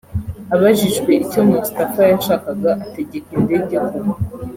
Abajijwe icyo Mustafa yashakaga ategeka indege kugwa